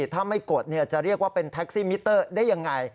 ถ้าไม่กดจะเรียกว่าเป็นแท็กซี่มิเตอร์ได้ยังไง